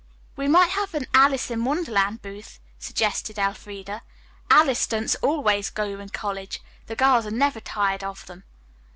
"We might have an 'Alice in Wonderland' booth," suggested Elfreda. "'Alice' stunts always go in colleges. The girls are never tired of them."